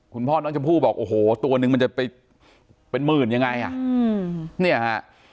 คุณพ่อน้องชมพู่บอกโอ้โหตัวนึงมันจะไปเป็นหมื่นยังไงอ่ะเนี่ยฮะ